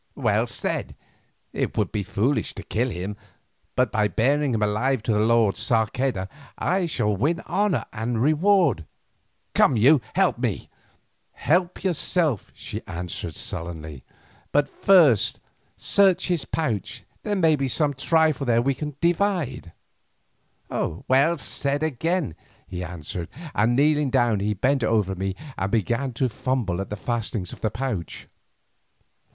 "Well said. It would be foolish to kill him, but by bearing him alive to the lord Sarceda, I shall win honour and reward. Come, help me." "Help yourself," she answered sullenly. "But first search his pouch; there may be some trifle there which we can divide." "Well said, again," he answered, and kneeling down he bent over me and began to fumble at the fastenings of the pouch.